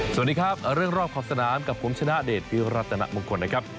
สวัสดีครับเรื่องรอบขอบสนามกับผมชนะเดชพิรัตนมงคลนะครับ